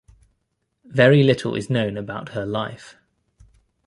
Very little is known about her life.